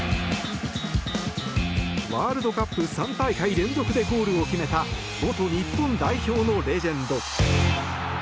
ワールドカップ３大会連続でゴールを決めた元日本代表のレジェンド。